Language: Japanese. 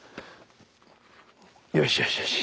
よしよしよし。